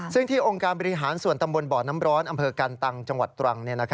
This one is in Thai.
ซึ่งที่องค์การบริหารส่วนตำบลบ่อน้ำร้อนอำเภอกันตังจังหวัดตรัง